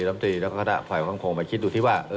รัฐมนตรีแล้วก็คณะฝ่ายความคงมาคิดดูที่ว่า